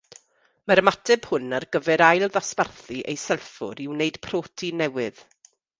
Mae'r ymateb hwn ar gyfer ailddosbarthu ei sylffwr i wneud protein newydd.